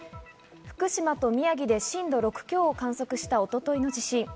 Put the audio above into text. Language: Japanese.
福島と宮城で震度６強を観測した一昨日の地震。